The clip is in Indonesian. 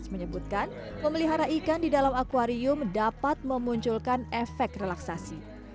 menyebutkan memelihara ikan di dalam akwarium dapat memunculkan efek relaksasi